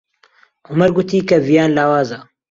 عومەر گوتی کە ڤیان لاوازە.